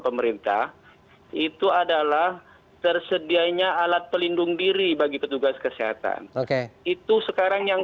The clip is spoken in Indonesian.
pemerintah itu adalah tersedianya alat pelindung diri bagi petugas kesehatan itu sekarang yang